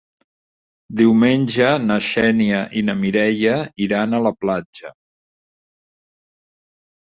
Diumenge na Xènia i na Mireia iran a la platja.